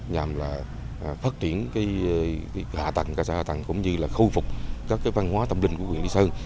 nhằm là phát triển cái hạ tầng cà xa hạ tầng cũng như là khôi phục các cái văn hóa tổng định của quyền lý sơn